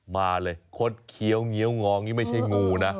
มาเลยคดเคี้ยวเงี้ยวงอนี่ไม่ใช่งูนะ